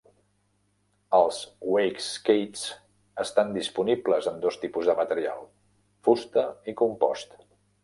Els wakeskates estan disponibles en dos tipus de material: fusta i compost.